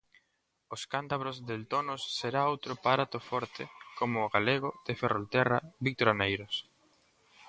Os cántabros DelTonos será outro prato forte, como o galego, de Ferrolterra, Víctor Aneiros.